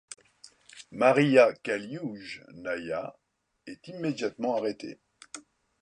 Maria Kalioujnaïa est immédiatement arrêtée.